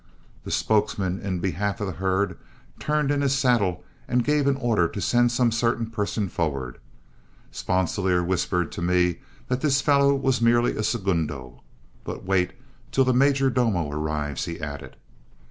The spokesman in behalf of the herd turned in his saddle and gave an order to send some certain person forward. Sponsilier whispered to me that this fellow was merely a segundo. "But wait till the 'major domo' arrives," he added.